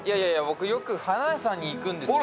僕よく花屋さんに行くんですよ。